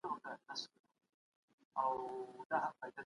تاسي د کوم سياسي مکتب پلوي کوئ؟